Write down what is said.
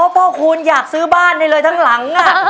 พ่อคูณอยากซื้อบ้านได้เลยทั้งหลัง